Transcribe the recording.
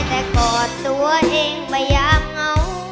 ได้แต่กอดตัวเองไม่อยากเหงา